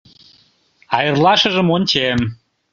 А эрлашыжым ончем –